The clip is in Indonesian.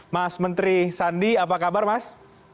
mas menteri sandi apa kabar mas